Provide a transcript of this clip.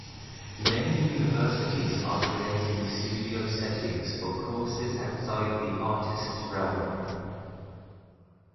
Many universities are creating studio settings for courses outside the artist's realm.